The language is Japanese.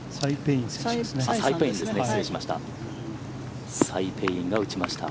サイ・ペイインですね失礼しました。